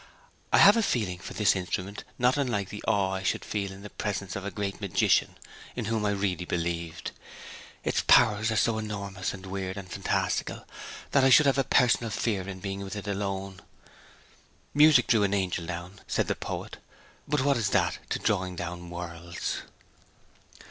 ... I have a feeling for this instrument not unlike the awe I should feel in the presence of a great magician in whom I really believed. Its powers are so enormous, and weird, and fantastical, that I should have a personal fear in being with it alone. Music drew an angel down, said the poet: but what is that to drawing down worlds!'